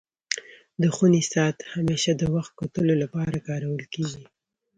د خوني ساعت همېشه د وخت کتلو لپاره کارول کيږي.